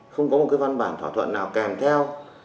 không có một cái văn bản thỏa thuận nào kèm theo